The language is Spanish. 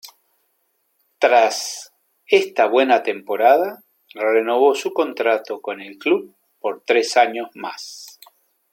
Tras esta buena temporada, renovó su contrato con el club por tres años más.